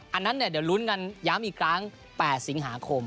อันนั้นเดี๋ยวลุ้นกันย้ำอีกครั้ง๘สิงหาคม